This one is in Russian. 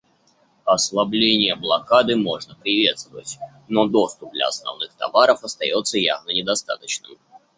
Ослабление блокады можно приветствовать, но доступ для основных товаров остается явно недостаточным.